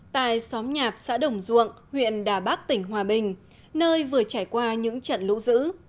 tại xóm nhạp xã đồng duộng huyện đà bắc tỉnh hòa bình nơi vừa trải qua những trận lũ dữ